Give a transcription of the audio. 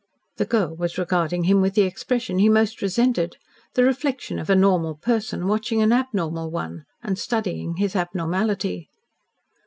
The girl was regarding him with the expression he most resented the reflection of a normal person watching an abnormal one, and studying his abnormality.